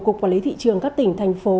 cục quản lý thị trường các tỉnh thành phố